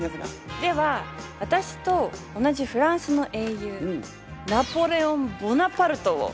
では私と同じフランスの英雄ナポレオン・ボナパルトを。